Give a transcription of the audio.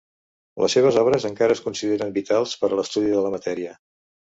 Les seves obres encara es consideren vitals per a l'estudi de la matèria.